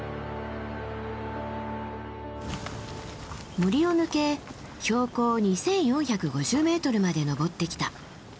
森を抜け標高２，４５０ｍまで登ってきた。